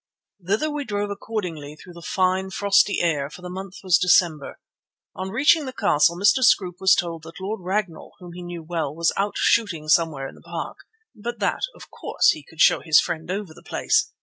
Thither we drove accordingly through the fine, frosty air, for the month was December. On reaching the castle, Mr. Scroope was told that Lord Ragnall, whom he knew well, was out shooting somewhere in the park, but that, of course, he could show his friend over the place.